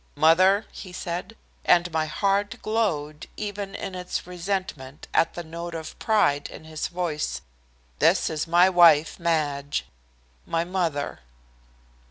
"Mother," he said, and my heart glowed even in its resentment at the note of pride in his voice, "this is my wife. Madge, my mother."